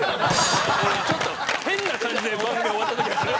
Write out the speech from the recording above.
ちょっと変な感じで番組終わっちゃった時ある。